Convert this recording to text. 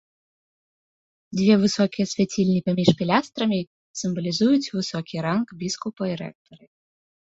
Две высокія свяцільні паміж пілястрамі сімвалізуюць высокі ранг біскупа і рэктары.